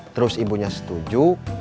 terus ibunya setuju